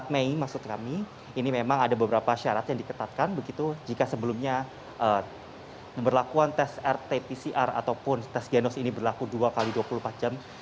empat mei maksud kami ini memang ada beberapa syarat yang diketatkan begitu jika sebelumnya pemberlakuan tes rt pcr ataupun tes genos ini berlaku dua x dua puluh empat jam